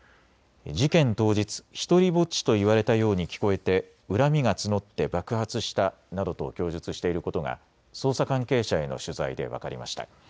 事件当日、独りぼっちと言われたように聞こえて恨みが募って爆発したなどと供述していることが捜査関係者への取材で分かりました。